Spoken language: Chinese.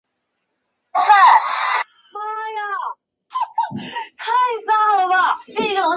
王元超毕业于日本东京法政大学法律专门部。